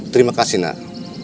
terima kasih nak